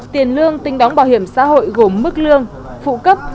tiền lương tính đóng bảo hiểm xã hội gồm mức lương phụ cấp